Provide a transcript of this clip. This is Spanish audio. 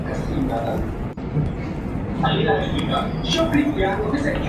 Son las fiestas populares con mayor vigencia y las más celebradas en Trinidad.